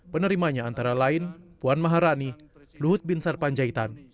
penerimanya antara lain puan maharani luhut bin sarpanjaitan